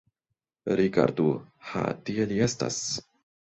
Rigardu: ha tie li estas.